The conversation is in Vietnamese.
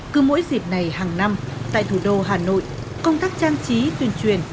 cứ mỗi dịp này hàng năm tại thủ đô hà nội công tác trang trí tuyên truyền